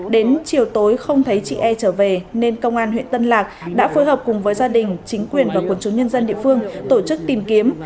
đến chiều tối không thấy chị e trở về nên công an huyện tân lạc đã phối hợp cùng với gia đình chính quyền và quân chúng nhân dân địa phương tổ chức tìm kiếm